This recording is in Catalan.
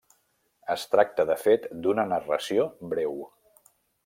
Es tracta, de fet, d'una narració breu.